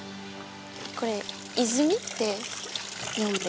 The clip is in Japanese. これ泉？って日本で。